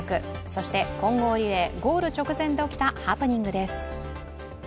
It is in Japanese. そして混合リレー、ゴール直前で起きたハプニングです。